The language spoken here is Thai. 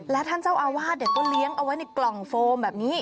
และท่านเจ้าอาวาสก็เลี้ยงเอาไว้ในกล่องโฟมแบบนี้